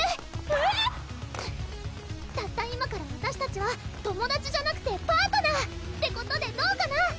えっ⁉たった今からわたしたちは友達じゃなくてパートナー！ってことでどうかな？